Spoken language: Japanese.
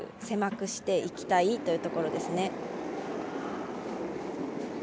狭くしていきたいというところです。